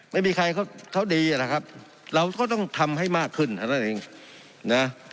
ไม่มีใครเขาดีนะครับเราก็ต้องทำให้มากขึ้นเท่านั้นเองนะ